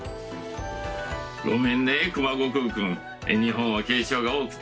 ごめんね熊悟空くん日本は敬称が多くて。